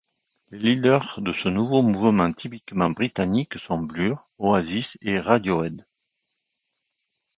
Les leaders de ce nouveau mouvement typiquement britannique sont Blur, Oasis et Radiohead.